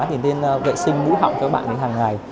thì nên vệ sinh ngũ hậu cho các bạn hàng ngày